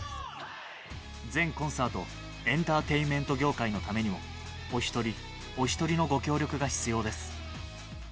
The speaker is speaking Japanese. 全コンサート、エンターテインメント業界のためにも、お一人、お一人のご協力が必要です。